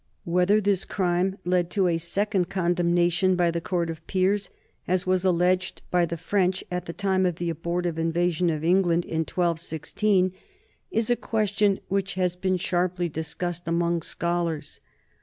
Whether this crime led to a second con demnation by the court of peers, as was alleged by the French at the time of the abortive invasion of England in 1216, is a question which has been sharply discussed among scholars.